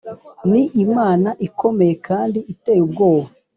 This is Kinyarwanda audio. ni Imana ikomeye kandi iteye ubwoba. “